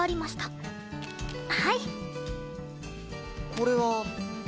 これは？